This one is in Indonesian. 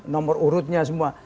nomor urutnya semua